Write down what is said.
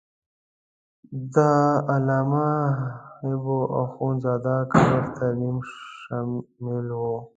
د علامه حبو اخند زاده قبر ترمیم شامل و.